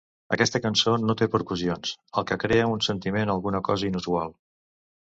Aquesta cançó no té percussions, el que crea un sentiment alguna cosa inusual.